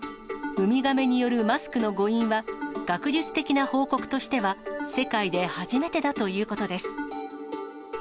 ウミガメによるマスクの誤飲は、学術的な報告としては、世界で初めてだということです。